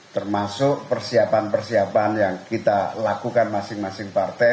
termasuk persiapan persiapan yang kita lakukan masing masing partai